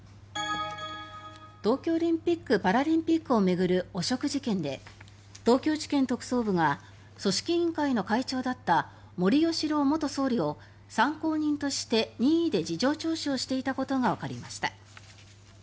東京オリンピック・パラリンピックを巡る汚職事件で東京地検特捜部が組織委員会の会長だった森喜朗元総理を参考人として任意で事情聴取していたことがわかりました。